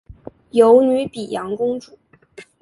有女沘阳公主。